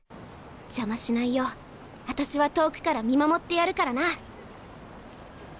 邪魔しないようあたしは遠くから見守ってやるからな！